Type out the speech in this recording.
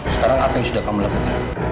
sekarang apa yang sudah kamu lakukan